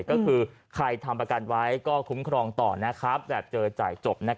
ก็คือใครทำประกันไว้ก็คุ้มครองต่อนะครับแบบเจอจ่ายจบ